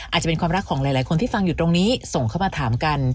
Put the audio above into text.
อาจจะเป็นความรักของหลายคนที่ฟังอยู่ตรงนี้ส่งเข้ามาถามกัน